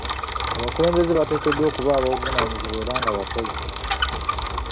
Abakulembeze bateekeddwa okuba ab'obuvunaanyizibwa era nga bakozi.